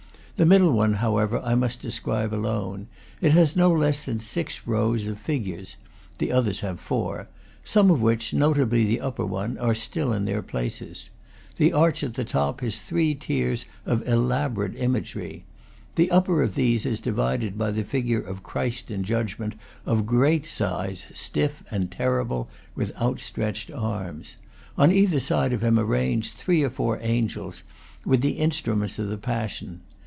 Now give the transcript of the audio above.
The middle one, however, I must describe alone. It has no less than six rows of figures, the others have four, some of which, notably the upper one, are still in their places. The arch at the top has three tiers of elaborate imagery. The upper of these is divided by the figure of Christ in judgment, of great size, stiff and terrible, with outstretched arms. On either side of him are ranged three or four angels, with the instruments of the Passion.